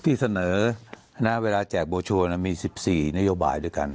ฮที่เสนอเวลาแจกโบชัวร์มี๑๔นโยบายทั้งกัน